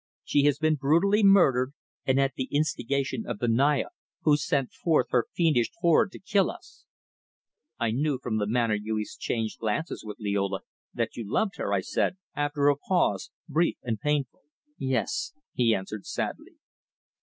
She has been brutally murdered, and at the instigation of the Naya, who sent forth her fiendish horde to kill us." "I knew from the manner you exchanged glances with Liola that you loved her," I said, after a pause, brief and painful. "Yes," he answered sadly.